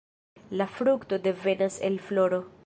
La frukto devenas el floro.